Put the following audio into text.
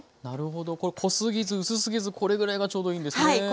なるほど濃すぎず薄すぎずこれぐらいがちょうどいいんですね。